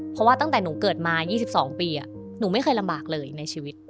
เพราะว่าตั้งแต่หนูเกิดมา๒๒ปีหนูไม่เคยลำบากเลยในชีวิต